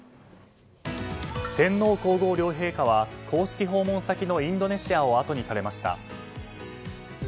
天皇・皇后両陛下は公式訪問先のインドネシアをあとにされました。